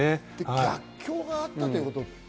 逆境があったということ。